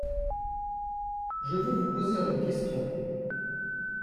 Je veux vous poser une question.